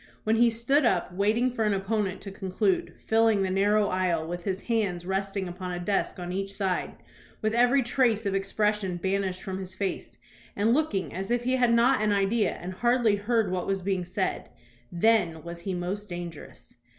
When he stood up, waiting for an opponent to conclude, filling the narrow aisle, with his hands resting upon a desk on each side, with every trace of expression banished from his face, and looking as if he had not an idea and hardly heard what was being said, then was he most dangerous.